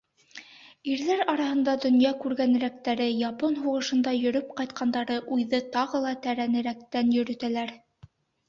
Ирҙәр араһында донъя күргәнерәктәре, япон һуғышында йөрөп ҡайтҡандары уйҙы тағы ла тәрәнерәктән йөрөтәләр.